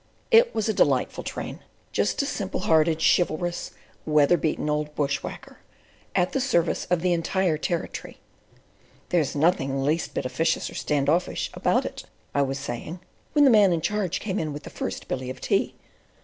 It was a delightful train—just a simple hearted, chivalrous, weather beaten old bush whacker, at the service of the entire Territory. "There's nothing the least bit officious or standoffish about it," I was saying, when the Man in Charge came in with the first billy of tea.